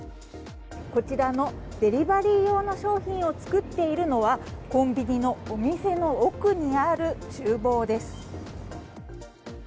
こちらのデリバリー用の商品を作っているのはコンビニのお店の奥にある厨房です。